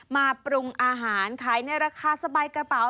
ปรุงอาหารขายในราคาสบายกระเป๋า